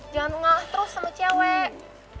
jangan ngalah terus sama cewek